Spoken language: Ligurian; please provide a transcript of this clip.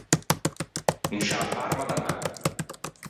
In sciâ parma da man.